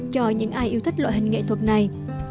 cho những ai yêu thích loại hình nghệ thuật này